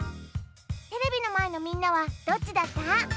テレビのまえのみんなはどっちだった？